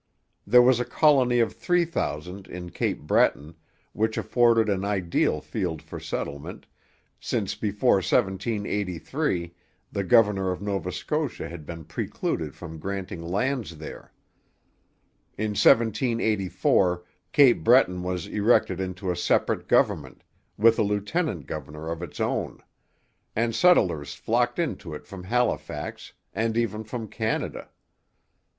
There was a colony of 3,000 in Cape Breton, which afforded an ideal field for settlement, since before 1783 the governor of Nova Scotia had been precluded from granting lands there. In 1784 Cape Breton was erected into a separate government, with a lieutenant governor of its own; and settlers flocked into it from Halifax, and even from Canada.